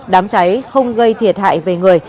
đám trái không gây thiệt hại về người